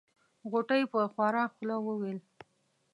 غوټۍ په خواره خوله وويل.